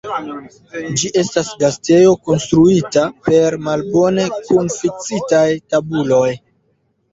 Ĝi estas gastejo konstruita per malbone kunfiksitaj tabuloj.